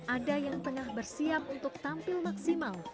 ada yang tengah bersiap untuk tampil maksimal